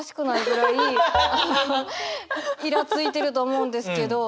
いらついてると思うんですけど。